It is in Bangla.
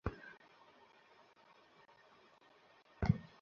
কিন্তু এখন আমি বুঝে ফেলেছি যে ধনী লোক কোনো কিছু বিনামূল্যে দেয় না।